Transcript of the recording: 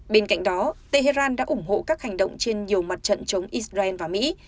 bên cạnh đó tehran đã ủng hộ các hành động trên nhiều mặt trận chống israel và mỹ